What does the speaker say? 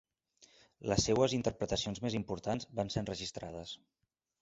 Les seues interpretacions més importants van ser enregistrades.